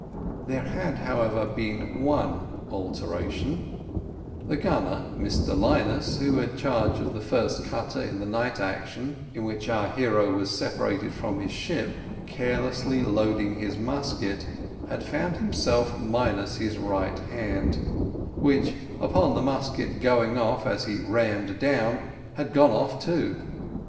There had, however, been one alteration; the gunner, Mr Minus, who had charge of the first cutter in the night action in which our hero was separated from his ship, carelessly loading his musket, had found himself minus his right hand, which, upon the musket going off as he rammed down, had gone off too.